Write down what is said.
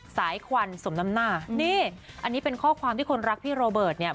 ควันสมน้ำหน้านี่อันนี้เป็นข้อความที่คนรักพี่โรเบิร์ตเนี่ย